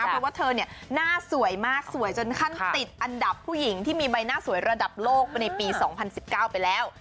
เพราะว่าเธอเนี่ยหน้าสวยมากสวยจนขั้นติดอันดับผู้หญิงที่มีใบหน้าสวยระดับโลกไปในปี๒๐๑๙ไปแล้ว